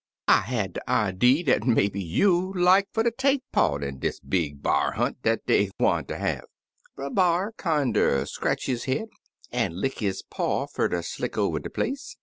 I had dc idee dat maybe you'd like fer ter take part in dis big b'ar hunt dat dey gwineter have/ Brer B'ar kinder scratch his head an* lick his paw fer ter slick over de place.